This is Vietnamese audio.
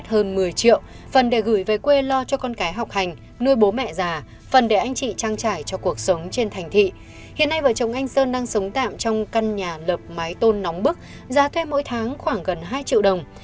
hai vợ chồng anh sơn đang sống tạm trong căn nhà lập mái tôn nóng bức giá thuê mỗi tháng khoảng gần hai triệu đồng